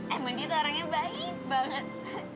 emang dia tuh orang yang baik banget